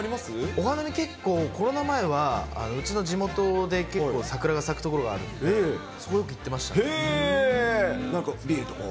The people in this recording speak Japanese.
お花見、結構、コロナ前は、うちの地元で結構、桜が咲く所があるんで、そこよく行ってましたなんかビールとか？